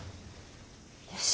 よし。